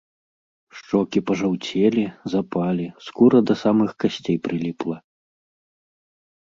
Шчокі пажаўцелі, запалі, скура да самых касцей прыліпла.